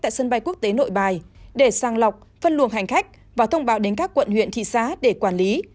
tại sân bay quốc tế nội bài để sang lọc phân luồng hành khách và thông báo đến các quận huyện thị xã để quản lý